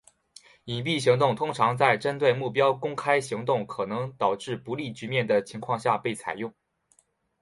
隐蔽行动通常在针对目标公开行动可能导致不利局面的情况下被采用。